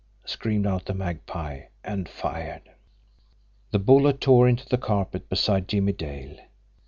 screamed out the Magpie and fired. The bullet tore into the carpet beside Jimmie Dale.